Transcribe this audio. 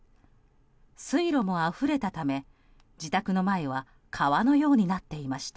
水路があふれたため、自宅の前は川のようになっていました。